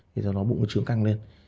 thì do đó bụng nó trướng căng lên